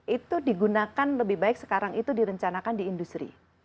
itu digunakan lebih baik sekarang itu direncanakan di industri